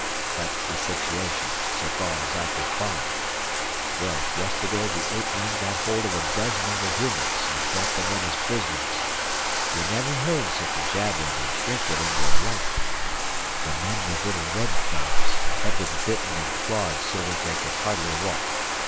That's the situation, so far as I could follow it. Well, yesterday the ape men got hold of a dozen of the humans and brought them in as prisoners. You never heard such a jabberin' and shriekin' in your life. The men were little red fellows, and had been bitten and clawed so that they could hardly walk.